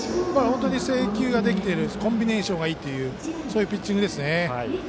制球ができているしコンビネーションがいいそういうピッチングですね。